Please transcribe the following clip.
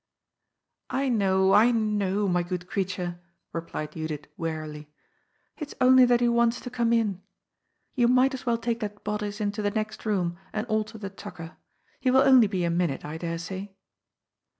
"I know, I know, my good creature," replied Judith wearily. " It's only that he wants to come in. You might as well take that bodice into the next room and alter the tucker. He will only be a minute, I dare say."